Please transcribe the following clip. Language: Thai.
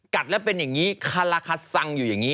กัดแล้วเป็นอย่างนี้คาราคาซังอยู่อย่างนี้